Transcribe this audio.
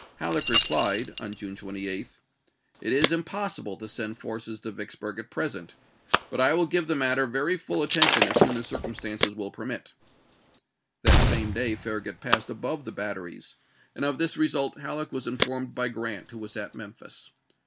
Halleck replied (on jjP ,fg^ ^' June 28), " It is impossible to send forces to Vicks * jung^^"' burg at present, but I will give the matter very full vol x^il; attention as soon as circumstances will permit." ^p!*J.^"' That same day Farragut passed above the batter ies, and of this result Halleck was informed by Grrant, who was at Memphis.